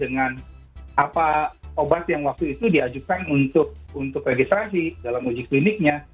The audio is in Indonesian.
dan itu memproduksi obat sesuai dengan apa obat yang waktu itu diajukan untuk registrasi dalam uji kliniknya